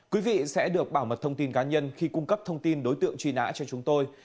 quý vị sẽ được bảo mật thông tin cá nhân khi cung cấp thông tin đối tượng truy nã cho chúng tôi